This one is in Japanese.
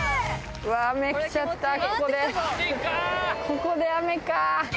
ここで雨か。